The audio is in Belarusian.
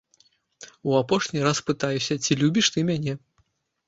У апошні раз пытаюся, ці любіш ты мяне?